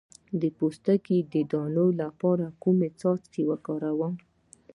د پوستکي د دانو لپاره کوم څاڅکي وکاروم؟